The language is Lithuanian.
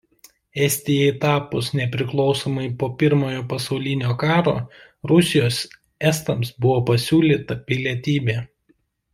Estijai tapus nepriklausomai po Pirmojo Pasaulinio karo Rusijos estams buvo pasiūlyta pilietybė.